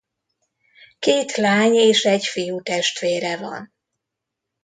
Két lány- és egy fiútestvére van.